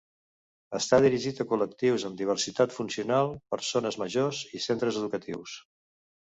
Està dirigit a col·lectius amb diversitat funcional, persones majors i centres educatius.